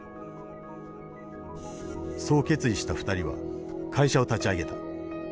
そう決意した２人は会社を立ち上げた。